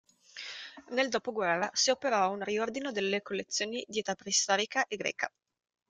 Nel dopoguerra si operò un riordino delle collezioni di età preistorica e greca.